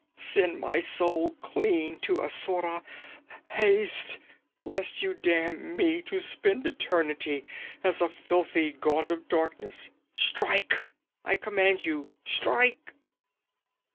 Send my soul clean to Asura! Haste, lest you damn me to spend eternity as a filthy gaunt of darkness. Strike, I command you! _Strike!